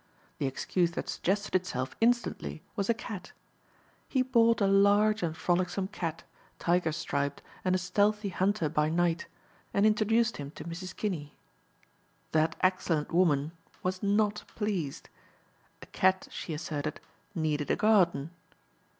The excuse that suggested itself instantly was a cat. He bought a large and frolicsome cat, tiger striped and a stealthy hunter by night, and introduced him to Mrs. Kinney. That excellent woman was not pleased. A cat, she asserted, needed a garden.